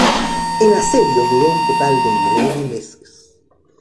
El asedio duró un total de nueve meses.